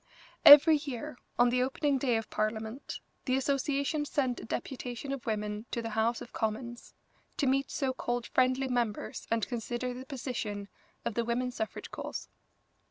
Every year, on the opening day of Parliament, the association sent a deputation of women to the House of Commons, to meet so called friendly members and consider the position of the women's suffrage cause.